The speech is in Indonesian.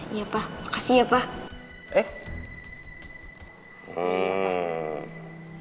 iya pak makasih ya pak